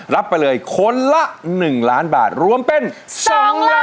รับไปเลยคนละ๑ล้านบาทรวมเป็น๒ล้าน